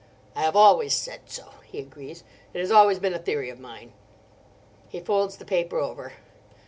"I have always said so," he agrees; "it has always been a theory of mine." He folds the paper over.